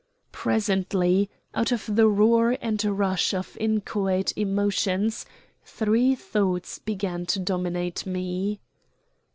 Presently, out of the roar and rush of inchoate emotions, three thoughts began to dominate me.